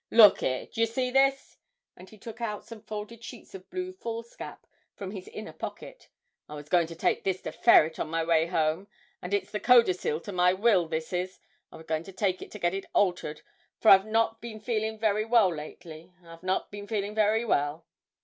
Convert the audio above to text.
Look 'ere; d'ye see this?' and he took out some folded sheets of blue foolscap from his inner pocket. 'I was goin' to take this to Ferret on my way home and it's the codicil to my will, this is. I was goin' to take it to get it altered, for I've not been feelin' very well lately, I've not been feelin' very well.